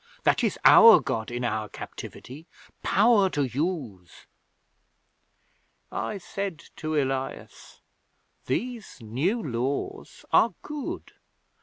That is our God in our captivity. Power to use! 'I said to Elias: "These New Laws are good.